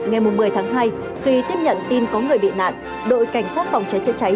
ngày một mươi tháng hai khi tiếp nhận tin có người bị nạn đội cảnh sát phòng cháy chữa cháy